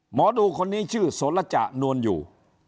หมอดูคนนี้ชื่อโสระจะนวลอยู่